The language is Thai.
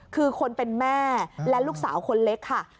คือคนเป็นแม่และลูกสาวคนเล็กค่ะ